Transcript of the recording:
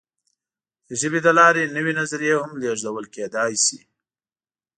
د ژبې له لارې نوې نظریې هم لېږدول کېدی شي.